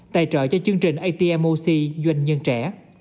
tài trợ cho chương trình atm oxy doanh nhân trẻ